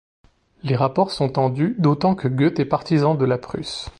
Les rapports sont tendus, d'autant que Goethe est partisan de la Prusse.